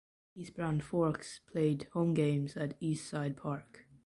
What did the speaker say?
East Brand Forks played home games at East Side Park.